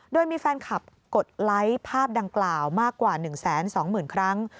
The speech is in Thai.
โดยมีแฟนคลับกดไลค์ภาพดังกล่าวมากกว่า๑๒๐๐๐ครั้ง